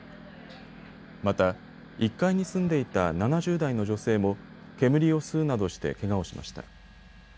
また、１階に住んでいた７０代の女性も煙を吸うなどしてけがをしました。